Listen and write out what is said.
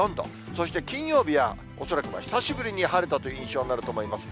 そして、金曜日は恐らく久しぶりに晴れたという印象になると思います。